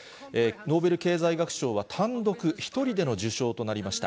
ノーベル経済学賞は単独、１人での受賞となりました。